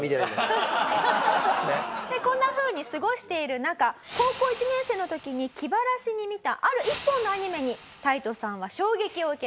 こんなふうに過ごしている中高校１年生の時に気晴らしに見たある１本のアニメにタイトさんは衝撃を受けます。